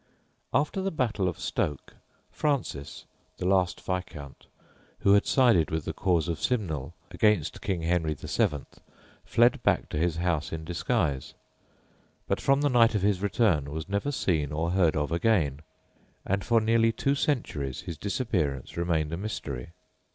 After the battle of Stoke, Francis, the last Viscount, who had sided with the cause of Simnel against King Henry VII., fled back to his house in disguise, but from the night of his return was never seen or heard of again, and for nearly two centuries his disappearance remained a mystery.